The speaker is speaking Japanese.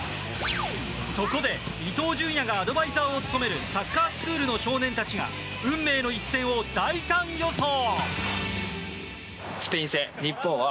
そこで伊東純也がアドバイザーを務めるサッカースクールの少年たちが運命の一戦を大胆予想。